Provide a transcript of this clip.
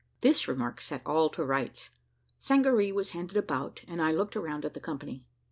This remark set all to rights; sangaree was handed about, and I looked around at the company.